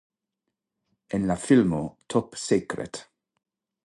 En la filmo "Top Secret!